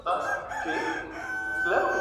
Dunedin se encuentra hermanada con